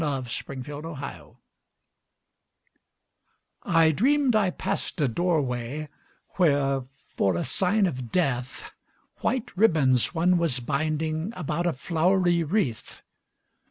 1922. The Unknown Belovèd I DREAMED I passed a doorwayWhere, for a sign of death, White ribbons one was bindingAbout a flowery wreath.